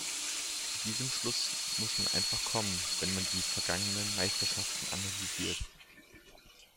Zu diesem Schluss muss man einfach kommen, wenn man die vergangenen Meisterschaften analysiert.